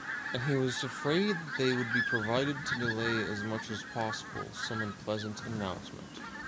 And he was afraid that they would be provided to delay as much as possible some unpleasant announcement.